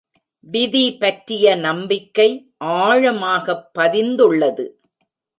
விதி பற்றிய நம்பிக்கை ஆழமாகப் பதிந்துள்ளது.